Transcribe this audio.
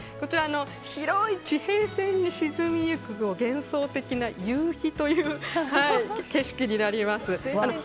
広い地平線に沈みゆく幻想的な夕日という景色になります。